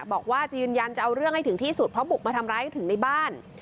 บอกว่าจะยืนยันจะเอาเรื่องให้ถึงที่สุดเพราะบุกมาทำร้ายถึงในบ้าน